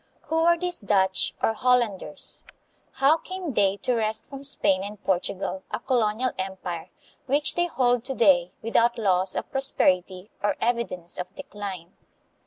Who were these Dutch, or Hollanders? How came they to wrest from Spain and Portugal a colonial empire, which they hold to day without loss of prosperity or evidence of decline?